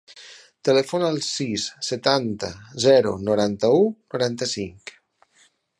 Telefona al sis, setanta, zero, noranta-u, noranta-cinc.